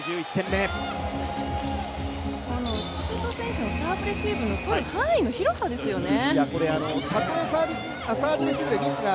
内瀬戸選手のサーブレシーブの取る範囲の広さですよね。